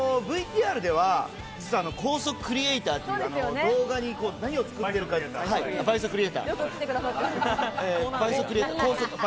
ＶＴＲでは高速クリエイターっていう動画で何を作ってるかっていう倍速リエイター。